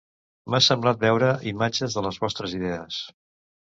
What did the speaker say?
M'ha semblat veure, imatges de les vostres idees